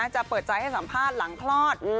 จะเปิดใจให้สัมภาษณ์หลังคลอด